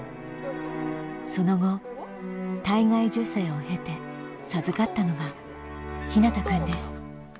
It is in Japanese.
その後体外受精を経て授かったのが陽向くんです。